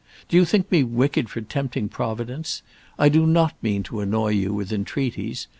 Do you think me wicked for tempting Providence? I do not mean to annoy you with entreaties.